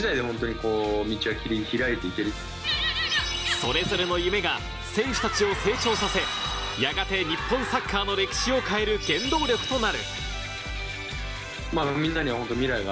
それぞれの夢が選手たちを成長させ、やがて日本サッカーの歴史を変える原動力となる。